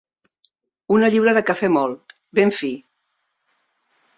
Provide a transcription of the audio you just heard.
Una lliura de cafè molt, ben fi.